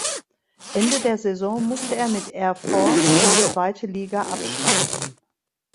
Ende der Saison musste er mit Air Force in die zweite Liga absteigen.